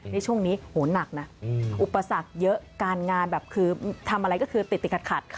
ในช่วงนี้โหหนักนะอุปสรรคเยอะการงานแบบคือทำอะไรก็คือติดติดขัด